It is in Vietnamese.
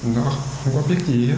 nó không có biết gì hết